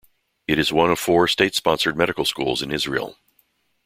It is one of four state-sponsored medical schools in Israel.